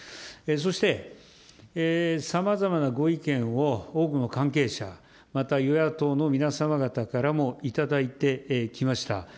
そして、さまざまなご意見を多くの関係者、また与野党の皆様方からも頂いてきました。